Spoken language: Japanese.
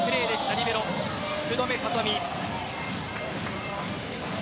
リベロ、福留慧美。